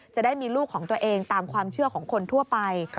จะได้มีลูกของตัวเองตามความเชื่อของคนทั่วไป